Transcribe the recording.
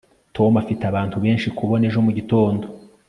tom afite abantu benshi kubona ejo mugitondo